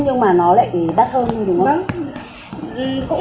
nhưng mà nó lại đắt hơn đúng không